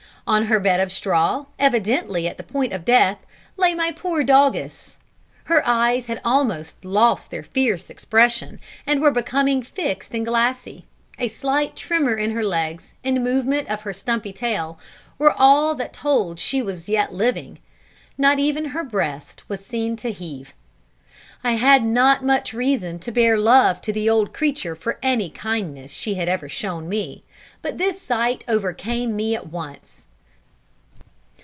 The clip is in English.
On her bed of straw, evidently at the point of death, lay my poor doggess. Her eyes had almost lost their fierce expression, and were becoming fixed and glassy a slight tremor in her legs and movement of her stumpy tail, were all that told she was yet living; not even her breast was seen to heave. I had not much reason to bear love to the old creature for any kindness she had ever shown me, but this sight overcame me at once.